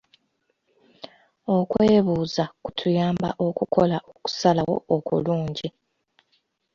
Okwebuuza kutuyamba okukola okusalawo okulungi.